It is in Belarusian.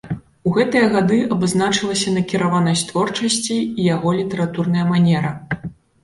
У гэтыя гады абазначылася накіраванасць творчасці і яго літаратурная манера.